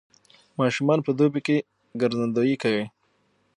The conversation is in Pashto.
ماشومان په دوبي کې ګرځندويي کوي.